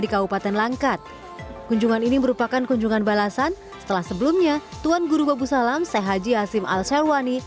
kunjungan ini merupakan kunjungan balasan setelah sebelumnya tuan guru babu salam syeh haji yassin al sharwani